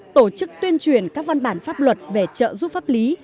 tổ chức tuyên truyền các văn bản pháp luật về trợ giúp pháp lý